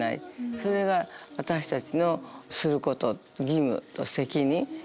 それが私たちのすること義務と責任。